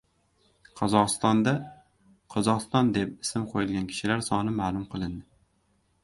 Qozog‘istonda "Qozog‘iston" deb ism qo‘yilgan kishilar soni ma’lum qilindi